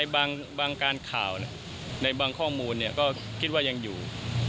ใบบางการข่าวใบบางข้อมูลเดี๋ยวก็คิดว่ายังอยู่